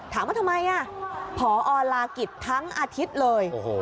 ถามว่าทำไมผอลากิจทั้งอาทิตย์เลย